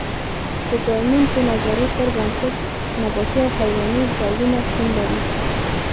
د ډایمونډ د نظریې پر بنسټ نباتي او حیواني ډولونه شتون لري.